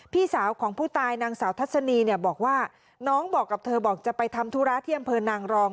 พี่สาวของผู้ตายนางสาวทัศนีเนี่ยบอกว่าน้องบอกกับเธอบอกจะไปทำธุระที่อำเภอนางรอง